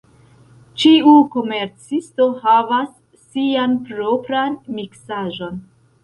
Ĉiu komercisto havas sian propran miksaĵon.